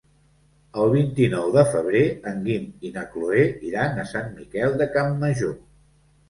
El vint-i-nou de febrer en Guim i na Cloè iran a Sant Miquel de Campmajor.